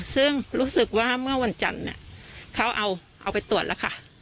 ซึ่งรู้สึกว่าเมื่อวันจันทร์เขาเอาไปตรวจแล้วค่ะ